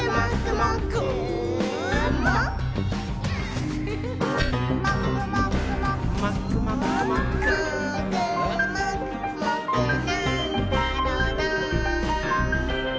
「もーくもくもくなんだろなぁ」